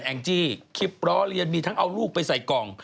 แองจี้คลิปล้อเลียนมีทั้งเอาลูกไปใส่กล่อง